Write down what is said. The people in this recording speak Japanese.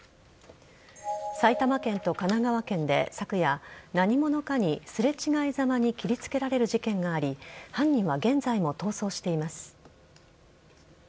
埼玉県と神奈川県で昨夜何者かにすれ違いざまに切りつけられる事件があり犯人は現在も逃走しています。